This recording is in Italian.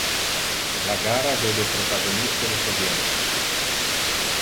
La gara vede protagoniste le sovietiche.